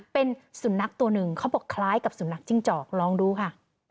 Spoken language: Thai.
เป็นสุนัขตัวหนึ่งเขาบอกคล้ายกับสุนัขจิ้งจอกลองดูค่ะ